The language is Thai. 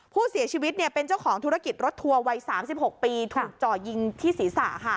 ผู้เสียชีวิตเป็นเจ้าของธุรกิจรถทัวร์วัย๓๖ปีถูกจ่อยิงที่ศีรษะ